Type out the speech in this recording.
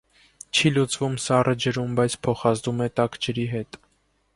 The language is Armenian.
Չի լուծվում սառը ջրում, բայց փոխազդում է տաք ջրի հետ։